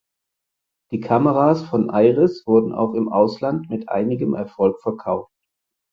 Die Kameras von Aires wurden auch im Ausland mit einigem Erfolg verkauft.